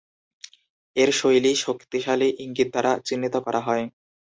এর শৈলী শক্তিশালী ইঙ্গিত দ্বারা চিহ্নিত করা হয়।